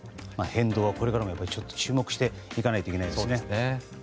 変動はこれからも注目していかないといけないですね。